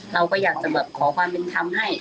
เราก็อยากจะแบบขอความเป็นธรรมให้